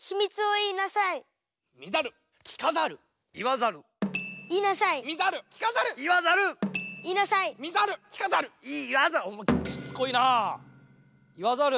言わざる！